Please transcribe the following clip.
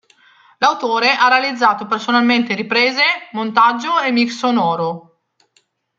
L'autore ha realizzato personalmente riprese, montaggio e mix sonoro.